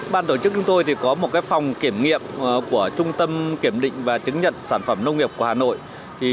ban tổ chức chúng tôi có một phòng kiểm nghiệm của trung tâm kiểm định và chứng nhận sản phẩm nông nghiệp của hà nội